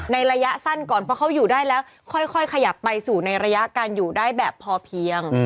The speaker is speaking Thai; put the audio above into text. ระยะสั้นก่อนเพราะเขาอยู่ได้แล้วค่อยขยับไปสู่ในระยะการอยู่ได้แบบพอเพียง